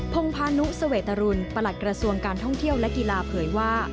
พงพานุเสวตรุลประหลัดกระทรวงการท่องเที่ยวและกีฬาเผยว่า